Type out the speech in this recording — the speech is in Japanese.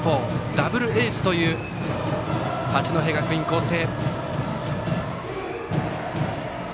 ダブルエースという八戸学院光星。